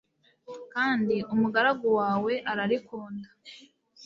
kandi umugaragu wawe ararikunda